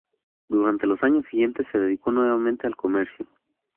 Durante los años siguientes se dedicó nuevamente al comercio.